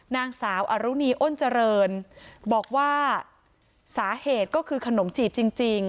นางสาวอรุณีอ้นเจริญบอกว่าสาเหตุก็คือขนมจีบจริง